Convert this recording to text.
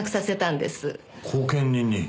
後見人に。